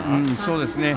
そうですね。